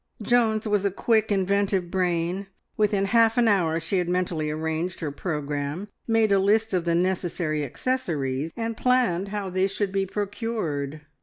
Joan's was a quick, inventive brain; within half an hour she had mentally arranged her programme, made a list of the necessary accessories, and planned how they should be procured.